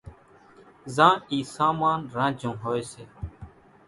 زان اِي سامان رانجھون ھوئي سي۔